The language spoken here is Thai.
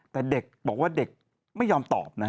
แต่เด็กบอกว่าเด็กไม่ยอมตอบนะฮะ